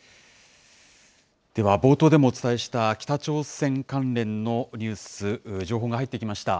では、冒頭でもお伝えした、北朝鮮関連のニュース、情報が入ってきました。